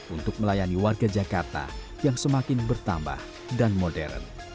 untuk melayani warga jakarta yang semakin bertambah dan modern